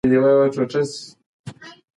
موږ باید د ماشومانو پوښتنو ته ځواب ووایو.